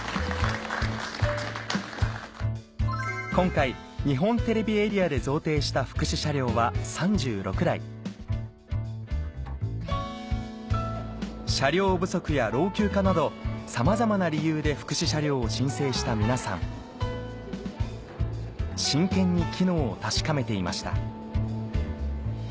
今回日本テレビエリアで贈呈した福祉車両は３６台車両不足や老朽化などさまざまな理由で福祉車両を申請した皆さん真剣に機能を確かめていました